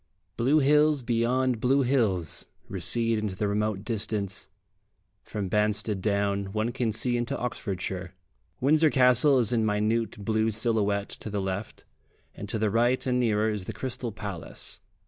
Blue hills beyond blue hills recede into the remote distance; from Banstead Down one can see into Oxfordshire. Windsor Castle is in minute blue silhouette to the left, and to the right and nearer is the Crystal Palace.